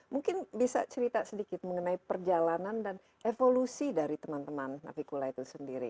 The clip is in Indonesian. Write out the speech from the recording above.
mungkin bisa cerita sedikit mengenai perjalanan dan evolusi dari teman teman navicula itu sendiri